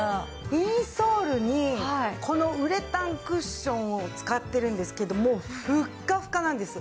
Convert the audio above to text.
インソールにこのウレタンクッションを使ってるんですけどもふっかふかなんです。